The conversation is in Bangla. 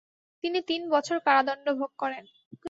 তিনি তিন বছর কারাদণ্ড ভোগ করেন।